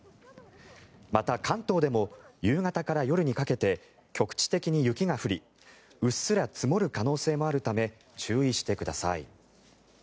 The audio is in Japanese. また、関東でも夕方から夜にかけて局地的に雪が降りうっすら積もる可能性もあるため注意してください。